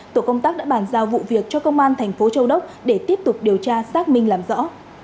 tổ công tác đã bàn giao vụ việc cho công an thành phố châu đốc để tiếp tục điều tra xác minh làm rõ